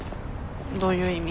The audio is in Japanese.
どういう意味？